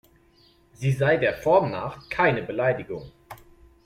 Sie sei der Form nach keine Beleidigung.